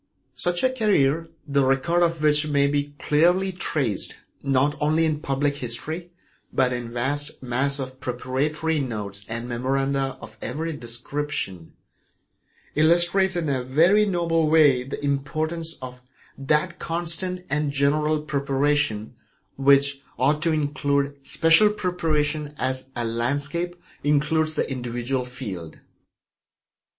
Such a career, the record of which may be clearly traced not only in public history but in a vast mass of preparatory notes and memoranda of every description, illustrates in a very noble way the importance of that constant and general preparation which ought to include special preparation as a landscape includes the individual field.